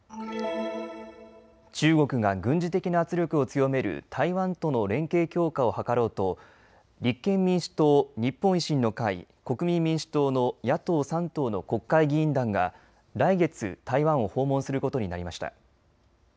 中国が軍事的な圧力を強める台湾との連携強化を図ろうと立憲民主党、日本維新の会、国民民主党の野党３党の国会議員団が来月、台湾を訪問することになりました。